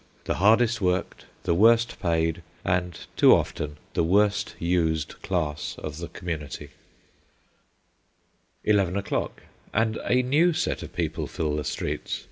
the hardest worked, the worst paid, and too often, the worst used class of the community. 4O Sketches by Boz. Eleven o'clock, and a new set of people fill the streets.